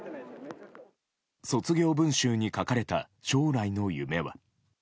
卒業文集に書かれた将来の夢は。